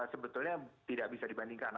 sebetulnya tidak bisa dibandingkan